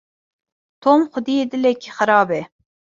Tom xwediyê dilekî xirab e.